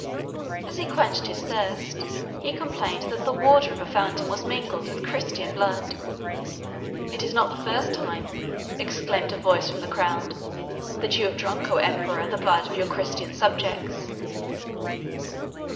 As he quenched his thirst, he complained that the water of a fountain was mingled with Christian blood. "It is not the first time," exclaimed a voice from the crowd, "that you have drank, O emperor, the blood of your Christian subjects."